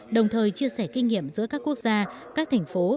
đồng thời chia sẻ kinh nghiệm giữa các quốc gia các thành phố